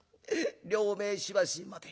両名しばし待て。